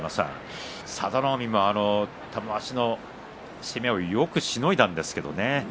佐田の海は玉鷲をよくしのいだんですけれどもね。